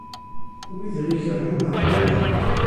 Wid i aɣ-ikerhen ɛerran-aɣ.